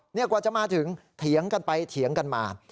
นี่กว่าจะมาถึงเถียงกันไปเถียงกันมา